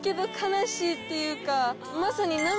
まさに。